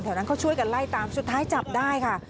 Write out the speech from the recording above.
นั้นเขาช่วยกันไล่ตามสุดท้ายจับได้ค่ะ